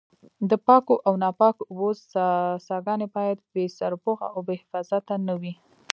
د پاکو او ناپاکو اوبو څاګانې باید بې سرپوښه او بې حفاظته نه وي.